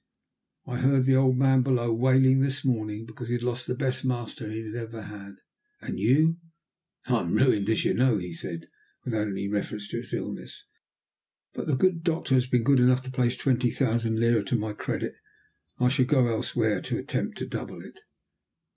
"I heard the old man below wailing this morning, because he had lost the best master he had ever had." "And you?" "I am ruined, as you know," he said, without any reference to his illness, "but the good doctor has been good enough to place twenty thousand lira to my credit, and I shall go elsewhere and attempt to double it."